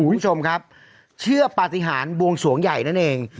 คุณผู้ชมครับเชื่อปฏิหารบวงสวงใหญ่นั่นเอง